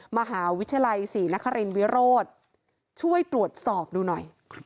มหาวิทยาลัยศรีนครินวิโรธช่วยตรวจสอบดูหน่อย